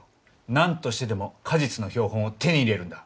何としてでも果実の標本を手に入れるんだ。